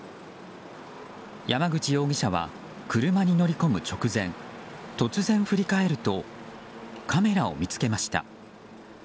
山口容疑者は車に乗り込む直前突然振り返るとカメラを見つけました。